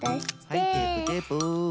はいテープテープ。